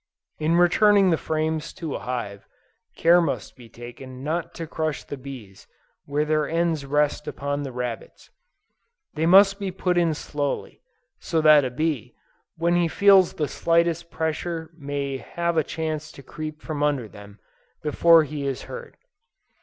In returning the frames to a hive, care must be taken not to crush the bees where their ends rest upon the rabbets; they must be put in slowly, so that a bee, when he feels the slightest pressure may have a chance to creep from under them, before he is hurt.